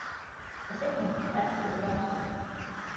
A signal to execute a dance figure.